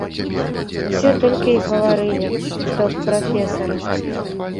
Усе толькі й гаварылі, што аб прафесары.